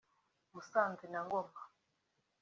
Musanze na Ngoma